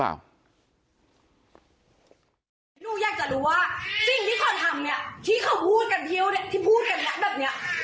หนูอยากจะรู้ว่าสิ่งที่เขาทำเนี่ยที่เขาพูดกันเที่ยวที่พูดกันนะแบบนี้